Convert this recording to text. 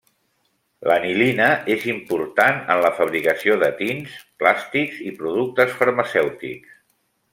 L'anilina és important en la fabricació de tints, plàstics i productes farmacèutics.